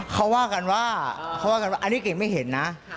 เขาว่ากันว่าอันนี้กลิ่งไม่เห็นนะ